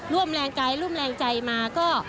ร่วมแรงกายร่วมแรงใจมาก็